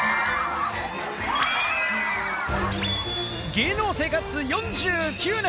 芸能生活４９年。